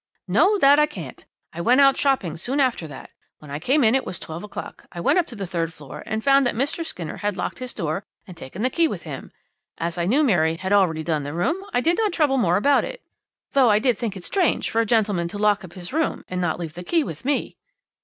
"'No, that I can't. I went out shopping soon after that. When I came in it was twelve o'clock. I went up to the third floor and found that Mr. Skinner had locked his door and taken the key with him. As I knew Mary had already done, the room I did not trouble more about it, though I did think it strange for a gentleman to look up his room and not leave the key with me.'